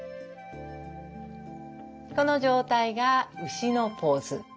この状態が牛のポーズ。